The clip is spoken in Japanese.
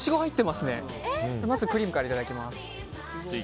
まずはクリームからいただきます。